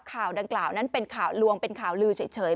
ข่าวดังกล่าวนั้นเป็นข่าวลวงเป็นข่าวลือเฉย